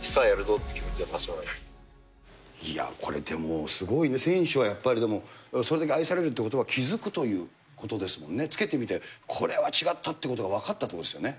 って気いや、これでも、すごい、選手が、やっぱりでも、それだけ愛されるってことは、気付くということですもんね、着けてみて、これは違ったってことが分かったということですよね。